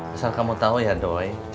asal kamu tahu ya doi